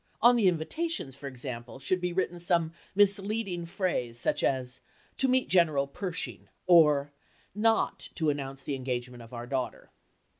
On the invitations, for example, should be written some misleading phrase, such as "To meet General Pershing" or "Not to Announce the Engagement of our Daughter."